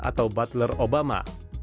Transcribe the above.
atau butler obama